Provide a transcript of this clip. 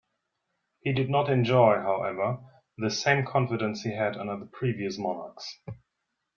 He did not enjoy, however, the same confidence he had under the previous monarchs.